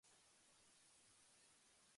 北海道苫小牧市